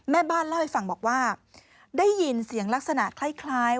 แม่บ้านเล่าให้ฟังบอกว่าได้ยินเสียงลักษณะคล้าย